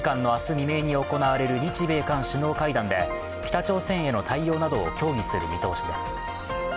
未明に行われる日米韓首脳会談で北朝鮮への対応などを協議する見通しです。